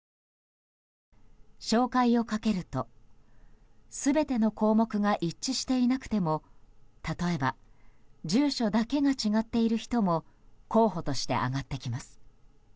照会をかけると全ての項目が一致していなくても例えば、住所だけが違っている人も候補として挙がってきます。